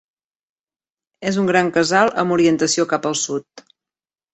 És un gran casal amb orientació cap al sud.